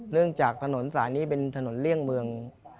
เนื่องจากถนนสายนี้เป็นถนนเลี่ยงเมือง